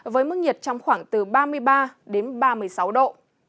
với mức nhiệt trong khoảng từ ba mươi ba đến ba mươi sáu độ